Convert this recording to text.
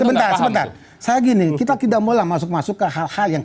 sebentar sebentar saja ini kita tidak malah masuk masuk ke hal hal yang